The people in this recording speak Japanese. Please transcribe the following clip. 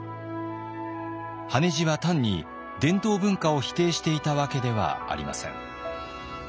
羽地は単に伝統文化を否定していたわけではありません。